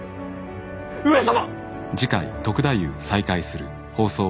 上様！